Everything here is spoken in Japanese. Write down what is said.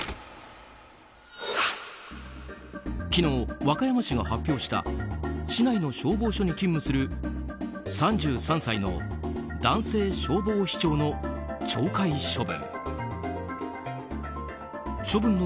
昨日、和歌山市が発表した市内の消防署に勤務する３３歳の男性消防士長の懲戒処分。